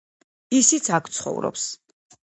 ისიც აქ ცხოვრობს.